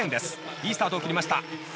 いいスタートを切りました。